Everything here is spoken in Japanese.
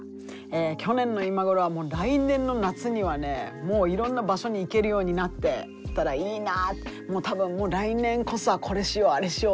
去年の今頃は来年の夏にはねもういろんな場所に行けるようになってたらいいな多分来年こそはこれしよう